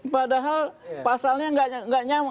padahal pasalnya nggak nyambut